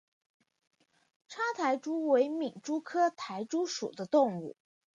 叉苔蛛为皿蛛科苔蛛属的动物。